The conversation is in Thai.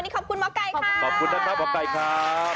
ขอบคุณท่านพระพับไกรครับ